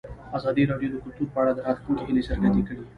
ازادي راډیو د کلتور په اړه د راتلونکي هیلې څرګندې کړې.